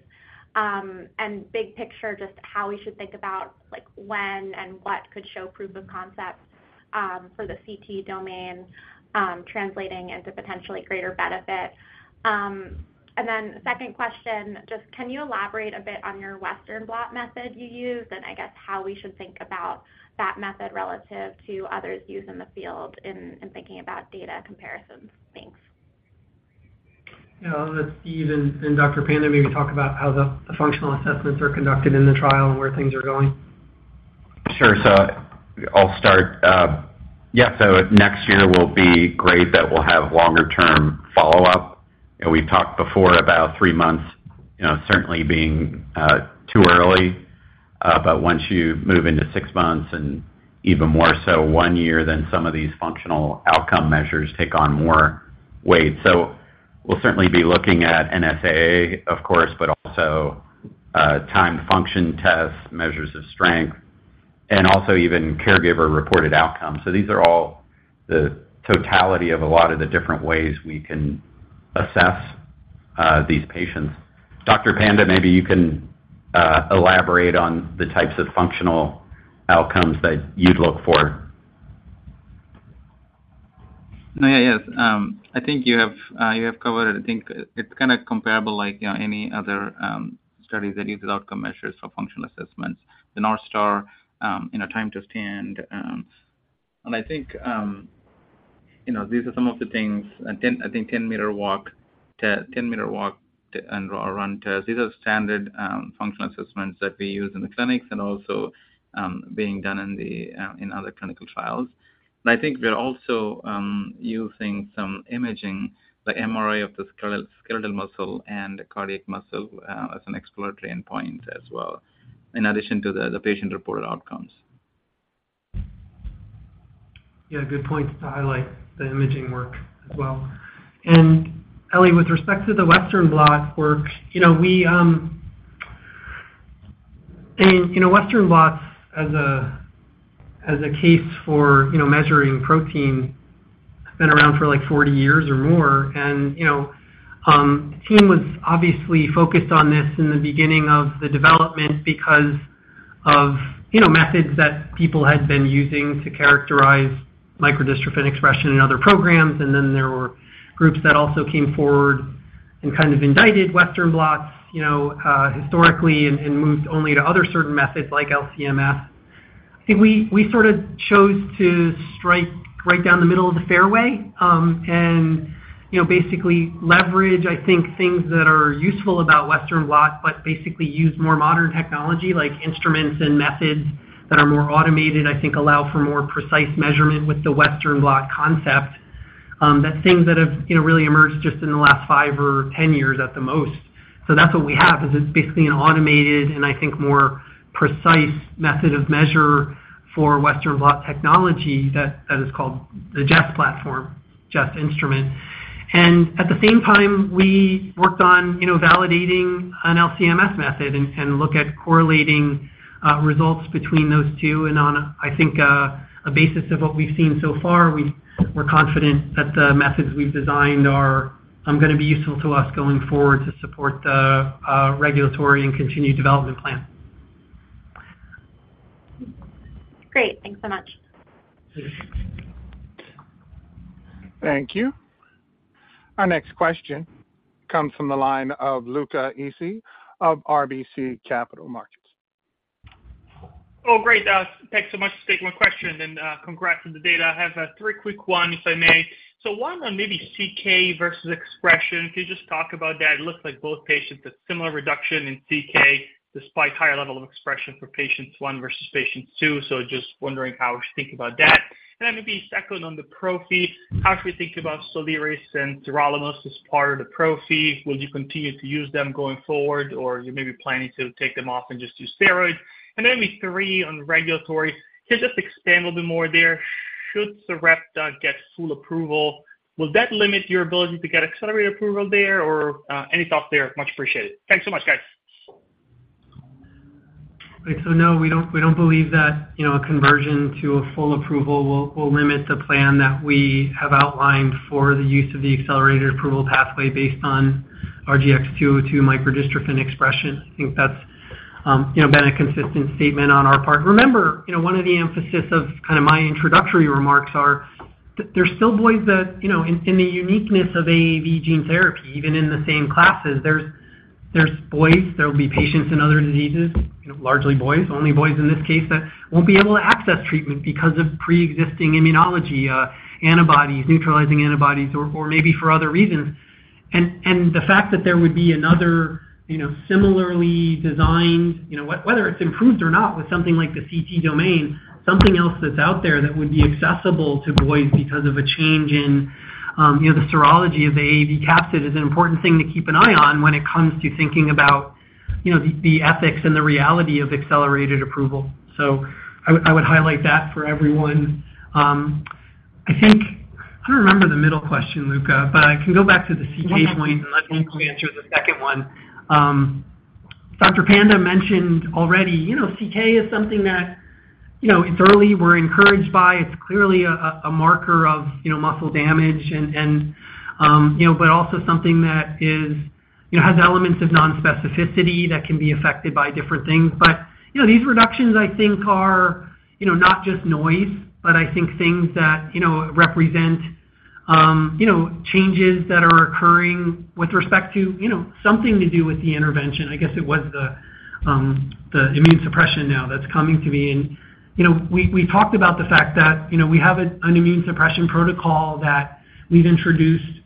S8: And big picture, just how we should think about, like, when and what could show proof of concept for the CT domain translating into potentially greater benefit. And then second question, just can you elaborate a bit on your Western Blot method you used, and I guess how we should think about that method relative to others used in the field in thinking about data comparisons? Thanks.
S2: Yeah. I'll let Steve and Dr. Panda maybe talk about how the functional assessments are conducted in the trial and where things are going.
S3: Sure. So I'll start. Yeah, so next year will be great that we'll have longer-term follow-up. And we've talked before about three months, you know, certainly being too early. But once you move into 6 months and even more so one year, then some of these functional outcome measures take on more weight. So we'll certainly be looking at NSAA, of course, but also timed function tests, measures of strength, and also even caregiver-reported outcomes. So these are all the totality of a lot of the different ways we can assess these patients. Dr. Panda, maybe you can elaborate on the types of functional outcomes that you'd look for.
S4: Yeah, yes. I think you have, you have covered it. I think it's kinda comparable like, you know, any other studies that use outcome measures for functional assessments. The North Star, you know, time to stand. And I think, you know, these are some of the things, and 10, I think 10-meter walk--10-meter walk and, or run tests. These are standard functional assessments that we use in the clinics and also being done in the, in other clinical trials. And I think we are also using some imaging, the MRI of the skeletal muscle and the cardiac muscle, as an exploratory endpoint as well, in addition to the, the patient-reported outcomes....
S2: Yeah, good point to highlight the imaging work as well. And Ellie, with respect to the Western blot work, you know, we, I mean, you know, Western blots as a case for, you know, measuring protein, have been around for like 40 years or more. And, you know, the team was obviously focused on this in the beginning of the development because of, you know, methods that people had been using to characterize microdystrophin expression in other programs. And then there were groups that also came forward and kind of indicted Western blots, you know, historically and moved only to other certain methods like LC-MS. I think we sort of chose to strike right down the middle of the fairway, and, you know, basically leverage, I think, things that are useful about Western Blot, but basically use more modern technology like instruments and methods that are more automated, I think allow for more precise measurement with the Western Blot concept, that things that have, you know, really emerged just in the last five or 10 years at the most. So that's what we have, is it's basically an automated and I think, more precise method of measure for Western Blot technology that is called the Jess platform, Jess instrument. And at the same time, we worked on, you know, validating an LC-MS method and look at correlating results between those two. On a, I think, a basis of what we've seen so far, we're confident that the methods we've designed are gonna be useful to us going forward to support the regulatory and continued development plan.
S8: Great. Thanks so much.
S1: Thank you. Our next question comes from the line of Luca Issi of RBC Capital Markets.
S9: Oh, great. Thanks so much. Just take one question and, congrats on the data. I have, three quick ones, if I may. So one on maybe CK versus expression. Can you just talk about that? It looks like both patients had similar reduction in CK despite higher level of expression for patients one versus patient two. So just wondering how we should think about that. And then maybe second, on the prophy, how should we think about Soliris and tacrolimus as part of the prophy? Will you continue to use them going forward, or are you maybe planning to take them off and just do steroids? And then maybe three, on regulatory. Can you just expand a little bit more there? Should Sarepta get full approval, will that limit your ability to get accelerated approval there, or, any thoughts there? Much appreciated. Thanks so much, guys.
S2: Right. So no, we don't, we don't believe that, you know, a conversion to a full approval will limit the plan that we have outlined for the use of the accelerated approval pathway based on RGX-202 microdystrophin expression. I think that's, you know, been a consistent statement on our part. Remember, you know, one of the emphasis of kind of my introductory remarks are there's still boys that, you know, in the uniqueness of AAV gene therapy, even in the same classes, there's boys, there will be patients in other diseases, largely boys, only boys in this case, that won't be able to access treatment because of preexisting immunology, antibodies, neutralizing antibodies, or maybe for other reasons. the fact that there would be another, you know, similarly designed, you know, whether it's improved or not, with something like the CT domain, something else that's out there that would be accessible to boys because of a change in, you know, the serology of the AAV capsid is an important thing to keep an eye on when it comes to thinking about, you know, the ethics and the reality of accelerated approval. So I would highlight that for everyone. I think... I don't remember the middle question, Luca, but I can go back to the CT point, and let me answer the second one. Dr. Panda mentioned already, you know, CK is something that, you know, it's early, we're encouraged by. It's clearly a marker of, you know, muscle damage and, you know, but also something that is, you know, has elements of nonspecificity that can be affected by different things. But, you know, these reductions, I think, are, you know, not just noise, but I think things that, you know, represent, you know, changes that are occurring with respect to, you know, something to do with the intervention. I guess it was the immune suppression now that's coming to me. You know, we talked about the fact that, you know, we have an immune suppression protocol that we've introduced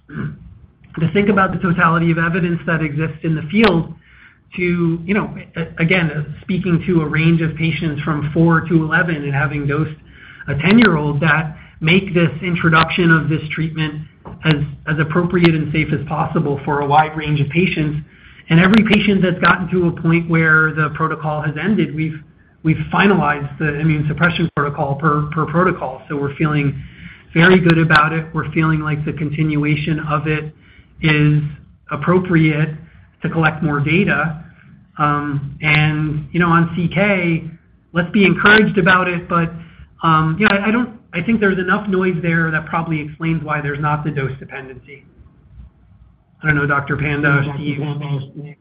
S2: to think about the totality of evidence that exists in the field to, you know, again, speaking to a range of patients from 4-11 and having dosed a 10-year-old, that make this introduction of this treatment as appropriate and safe as possible for a wide range of patients. And every patient that's gotten to a point where the protocol has ended, we've finalized the immune suppression protocol per protocol. So we're feeling very good about it. We're feeling like the continuation of it is appropriate to collect more data. And, you know, on CK, let's be encouraged about it, but, yeah, I don't, I think there's enough noise there that probably explains why there's not the dose dependency. I don't know, Dr. Panda, do you-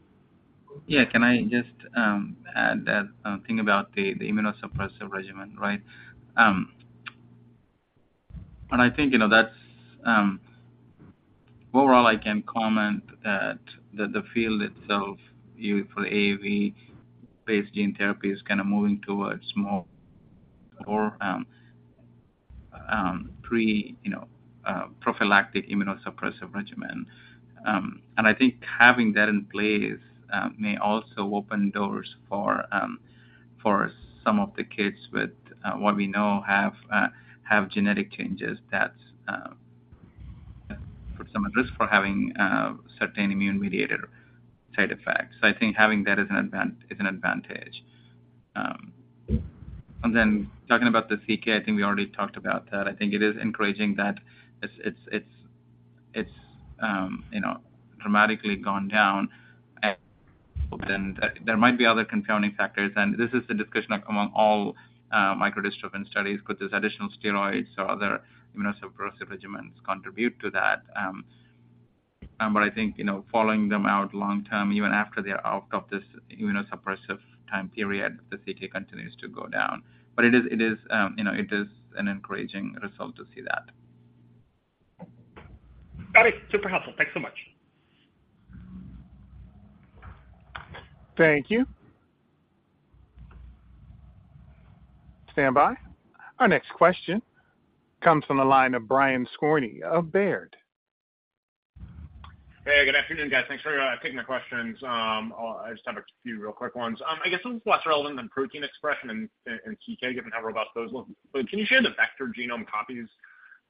S4: Yeah. Can I just add that thing about the immunosuppressive regimen, right? And I think, you know, that's overall, I can comment that the field itself, for AAV-based gene therapy, is kind of moving towards more pre prophylactic immunosuppressive regimen. And I think having that in place may also open doors for some of the kids with what we know have have genetic changes that some at risk for having certain immune-mediated side effects. So I think having that is an advantage. And then talking about the CK, I think we already talked about that. I think it is encouraging that it's, you know, dramatically gone down, and there might be other confounding factors, and this is the discussion among all microdystrophin studies. Could this additional steroids or other immunosuppressive regimens contribute to that? But I think, you know, following them out long-term, even after they're out of this immunosuppressive time period, the CK continues to go down. But it is, you know, an encouraging result to see that.
S9: Got it. Super helpful. Thanks so much.
S1: Thank you. Standby. Our next question comes from the line of Brian Skorney of Baird.
S10: Hey, good afternoon, guys. Thanks for taking the questions. I'll just have a few real quick ones. I guess this is less relevant than protein expression and, and CK, given how robust those look. But can you share the vector genome copies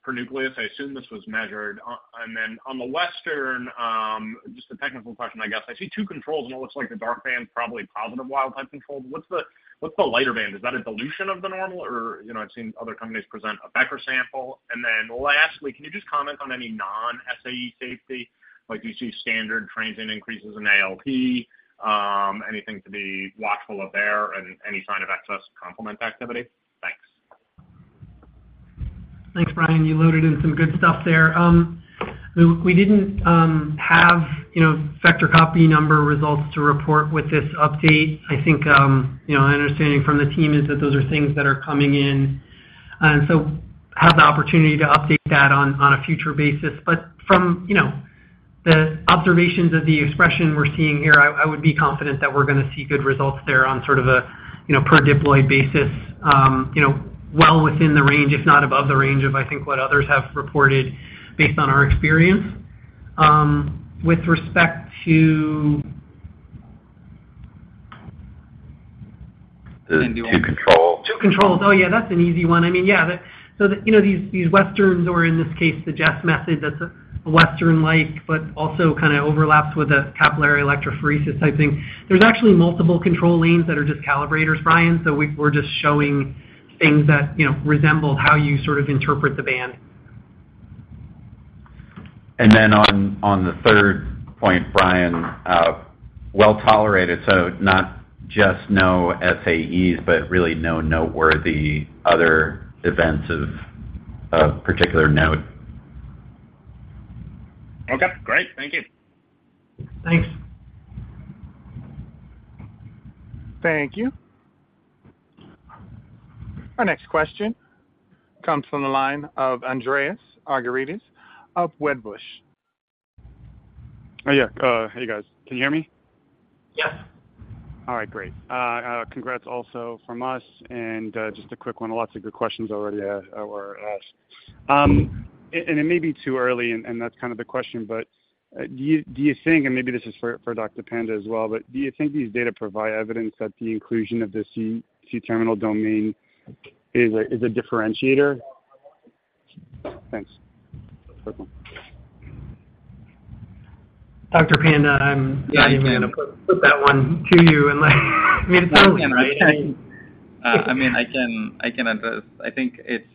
S10: per nucleus? I assume this was measured. And then on the Western, just a technical question, I guess. I see two controls, and it looks like the dark band is probably positive wild type control. What's the, what's the lighter band? Is that a dilution of the normal? Or, you know, I've seen other companies present a vector sample. And then lastly, can you just comment on any non-SAE safety? Like, do you see standard transient increases in ALP? Anything to be watchful of there, and any sign of excess complement activity? Thanks.
S2: Thanks, Brian. You loaded in some good stuff there. We didn't have, you know, vector copy number results to report with this update. I think, you know, my understanding from the team is that those are things that are coming in, and so have the opportunity to update that on a future basis. But from, you know, the observations of the expression we're seeing here, I would be confident that we're gonna see good results there on sort of a, you know, per diploid basis, you know, well within the range, if not above the range of, I think, what others have reported based on our experience. With respect to-
S3: The two controls.
S2: Two controls. Oh, yeah, that's an easy one. I mean, yeah, the. So the, you know, these, these Westerns, or in this case, the Jess method, that's a Western-like, but also kinda overlaps with a capillary electrophoresis type thing. There's actually multiple control lanes that are just calibrators, Brian, so we're just showing things that, you know, resemble how you sort of interpret the band.
S3: And then on the third point, Brian, well tolerated, so not just no SAEs, but really no noteworthy other events of particular note.
S10: Okay, great. Thank you.
S2: Thanks.
S1: Thank you. Our next question comes from the line of Andreas Argyrides of Wedbush.
S11: Oh, yeah. Hey, guys. Can you hear me?
S2: Yes.
S11: All right, great. Congrats also from us, and just a quick one. Lots of good questions already were asked. And it may be too early, and that's kind of the question, but do you think, and maybe this is for Dr. Panda as well, but do you think these data provide evidence that the inclusion of the C-terminal domain is a differentiator? Thanks.
S2: Dr. Panda, I'm gonna put that one to you, and like, I mean, it's early, right?
S4: I mean, I can, I can address. I think it's,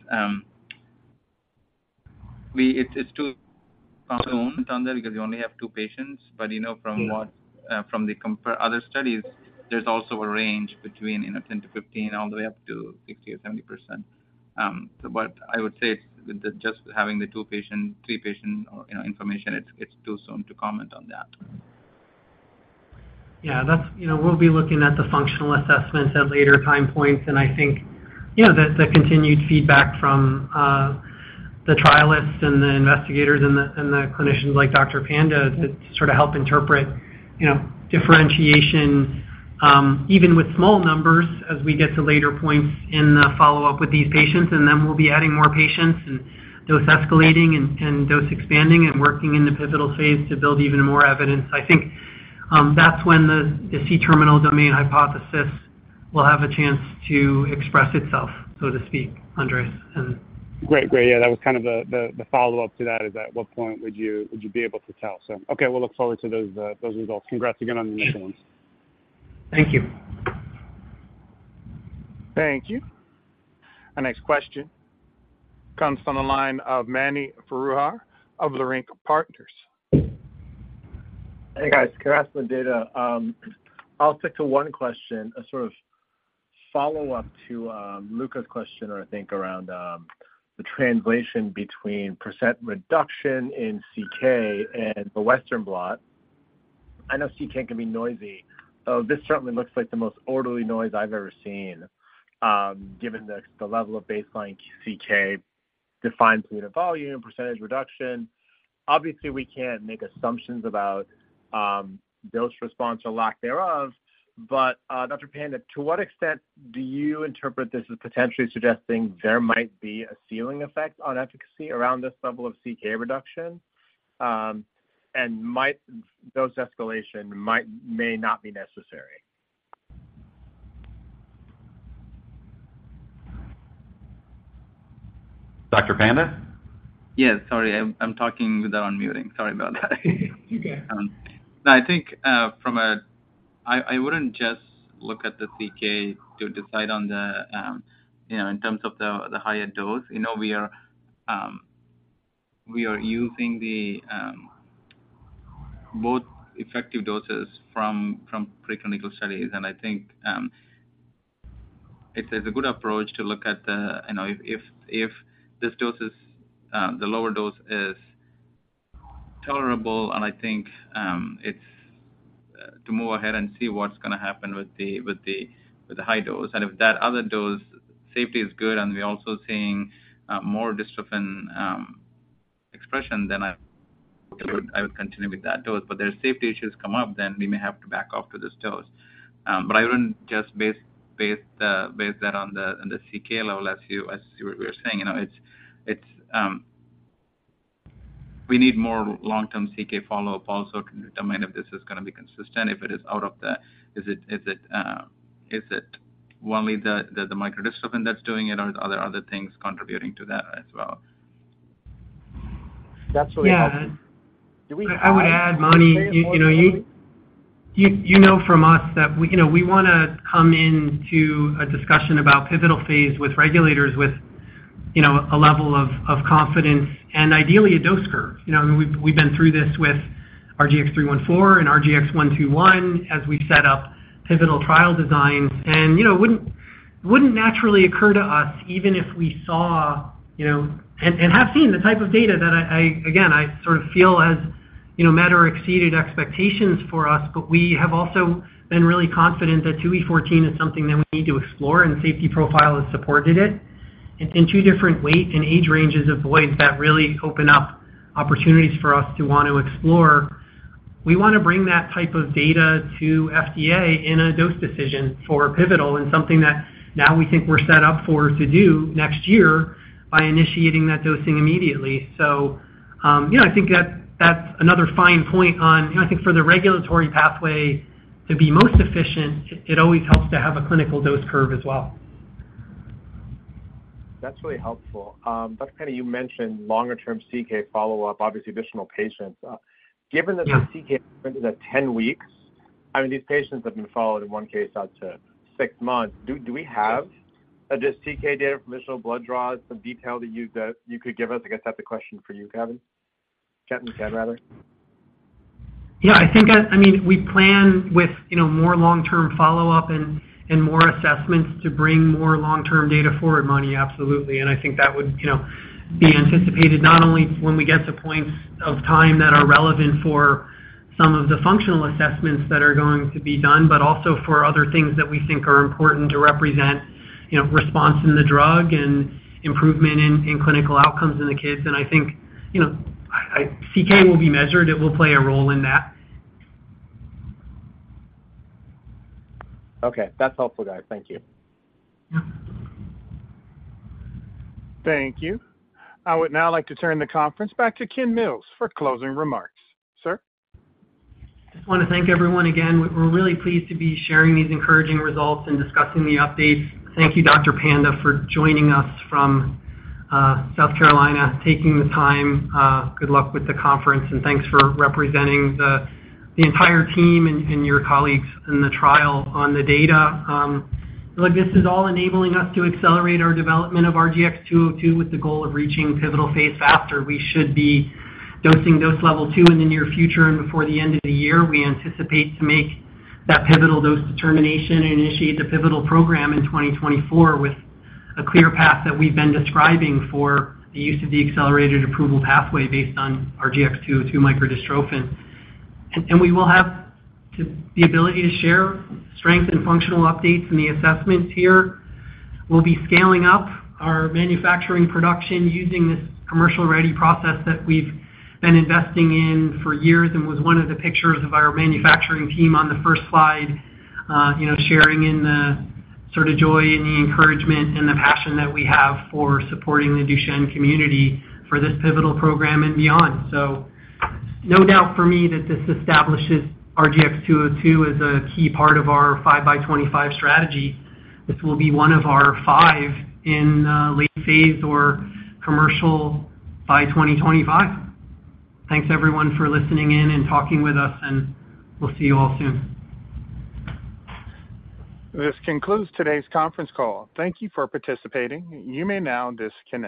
S4: it's too soon to comment on that because we only have two patients. But, you know, from what-
S2: Yeah...
S4: from the other studies, there's also a range between, you know, 10-15%, all the way up to 50 or 70%. But I would say with just having the two patient, three patient, or, you know, information, it's too soon to comment on that.
S2: Yeah, that's... You know, we'll be looking at the functional assessments at later time points, and I think, you know, the continued feedback from the trialists and the investigators and the clinicians like Dr. Panda to sort of help interpret, you know, differentiation, even with small numbers, as we get to later points in the follow-up with these patients. And then we'll be adding more patients and dose escalating and dose expanding and working in the pivotal phase to build even more evidence. I think, that's when the C-terminal domain hypothesis will have a chance to express itself, so to speak, Andreas, and-
S11: Great. Great. Yeah, that was kind of the follow-up to that, is at what point would you be able to tell? So, okay, we'll look forward to those results. Congrats again on the initial ones.
S2: Thank you.
S1: Thank you. Our next question comes from the line of Mani Foroohar of the Leerink Partners.
S12: Hey, guys. Congrats on the data. I'll stick to one question, a sort of follow-up to Luca's question, or I think around the translation between % reduction in CK and the Western Blot. I know CK can be noisy. This certainly looks like the most orderly noise I've ever seen, given the level of baseline CK, defined period of volume, % reduction. Obviously, we can't make assumptions about dose response or lack thereof, but Dr. Panda, to what extent do you interpret this as potentially suggesting there might be a ceiling effect on efficacy around this level of CK reduction? And might dose escalation may not be necessary?
S2: Dr. Panda?
S4: Yes, sorry, I'm talking without unmuting. Sorry about that.
S2: You're good.
S4: No, I think from a I wouldn't just look at the CK to decide on the, you know, in terms of the higher dose. You know, we are using both effective doses from preclinical studies, and I think it's a good approach to look at the, you know, if this dose is the lower dose is tolerable, and I think it's to move ahead and see what's gonna happen with the high dose. And if that other dose safety is good, and we're also seeing more dystrophin expression, then I would continue with that dose. But if there are safety issues come up, then we may have to back off to this dose. But I wouldn't just base that on the CK level, as you were saying. You know, we need more long-term CK follow-up also to determine if this is gonna be consistent, if it is out of the-- Is it only the microdystrophin that's doing it, or are there other things contributing to that as well?
S2: That's really helpful. Yeah. I would add, Mani, you know from us that we, you know, we wanna come into a discussion about pivotal phase with regulators with, you know, a level of confidence and ideally a dose curve. You know, and we've been through this with RGX-314 and RGX-121 as we've set up pivotal trial designs. And, you know, it wouldn't naturally occur to us, even if we saw, you know, and have seen the type of data that I again sort of feel has, you know, met or exceeded expectations for us. But we have also been really confident that 2e14 is something that we need to explore, and the safety profile has supported it. It's in two different weight and age ranges of boys that really open up opportunities for us to want to explore. We wanna bring that type of data to FDA in a dose decision for pivotal, and something that now we think we're set up for to do next year by initiating that dosing immediately. So, yeah, I think that's another fine point on, you know, I think for the regulatory pathway to be most efficient, it always helps to have a clinical dose curve as well.
S12: That's really helpful. Dr. Panda, you mentioned longer-term CK follow-up, obviously, additional patients. Given that-
S2: Yeah...
S12: the CK at 10 weeks, I mean, these patients have been followed, in one case, out to 6 months. Do we have just CK data from additional blood draws, some detail that you could give us? I guess that's a question for you, Gavin. Gavin Ted, rather.
S2: Yeah, I think, I, I mean, we plan with, you know, more long-term follow-up and, and more assessments to bring more long-term data forward, Mani, absolutely. And I think that would, you know, be anticipated not only when we get to points of time that are relevant for some of the functional assessments that are going to be done, but also for other things that we think are important to represent, you know, response in the drug and improvement in, in clinical outcomes in the kids. And I think, you know, I, I... CK will be measured. It will play a role in that.
S12: Okay. That's helpful, guys. Thank you.
S2: Yeah.
S1: Thank you. I would now like to turn the conference back to Ken Mills for closing remarks. Sir?
S2: Just wanna thank everyone again. We're really pleased to be sharing these encouraging results and discussing the updates. Thank you, Dr. Panda, for joining us from South Carolina, taking the time. Good luck with the conference, and thanks for representing the entire team and your colleagues in the trial on the data. Look, this is all enabling us to accelerate our development of RGX-202 with the goal of reaching pivotal phase faster. We should be dosing dose level 2 in the near future and before the end of the year. We anticipate to make that pivotal dose determination and initiate the pivotal program in 2024 with a clear path that we've been describing for the use of the accelerated approval pathway based on RGX-202 microdystrophin. We will have the ability to share strength and functional updates in the assessments here. We'll be scaling up our manufacturing production using this commercial-ready process that we've been investing in for years and was one of the pictures of our manufacturing team on the first slide. You know, sharing in the sort of joy and the encouragement and the passion that we have for supporting the Duchenne community for this pivotal program and beyond. So no doubt for me that this establishes RGX-202 as a key part of our 5 by 25 strategy. This will be one of our 5 in late phase or commercial by 2025. Thanks, everyone, for listening in and talking with us, and we'll see you all soon.
S1: This concludes today's conference call. Thank you for participating. You may now disconnect.